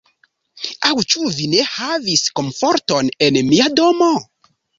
Aŭ ĉu vi ne havis komforton en mia domo?